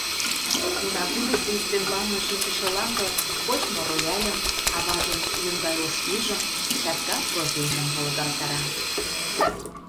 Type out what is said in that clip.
Унагудышто ӱстембалне шинчыше лампе почмо рояльым, аважын лум гай ош вуйжым, чатка профильжым волгалтара.